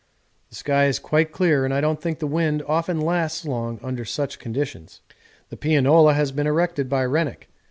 The sky is quite clear and I don't think the wind often lasts long under such conditions. The pianola has been erected by Rennick.